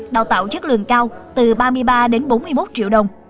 đào tạo chất lượng cao từ ba mươi ba đến bốn mươi một triệu đồng